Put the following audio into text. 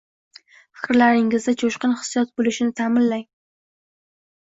Fikrlaringizda jo’shqin xissiyot bo’lishini ta’minlang